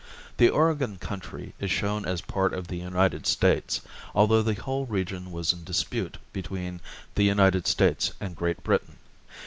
The Oregon Country is shown as part of the United States, although the whole region was in dispute between the United States and Great Britain.